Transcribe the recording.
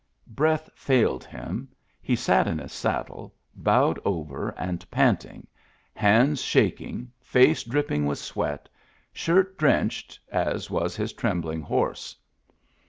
Breath failed him, he sat in his saddle, bowed over and panting, hands shaking, face dripping with sweat, shirt drenched, as was his trembling horse.